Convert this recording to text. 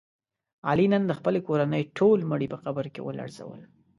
علي نن د خپلې کورنۍ ټول مړي په قبر کې ولړزول.